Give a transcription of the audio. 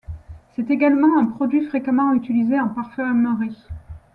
C'est également un produit fréquemment utilisé en parfumerie.